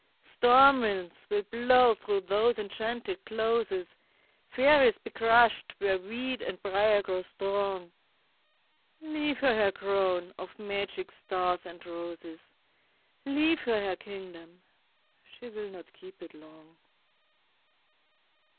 Storm winds will blow through those enchanted closes, Fairies be crushed where weed and briar grow strong ... Leave her her crown of magic stars and roses, Leave her her kingdom—she will not keep it long!